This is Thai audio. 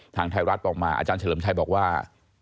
ทางไทยรัฐบอกมาอาจารย์เฉลิมชัยบอกว่า